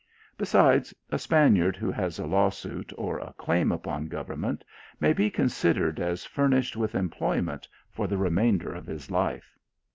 Beside, a Spaniard who has a lawsuit, or a claim upon gov ernment, may be considered as furnished with em ployment for the remainder of his life.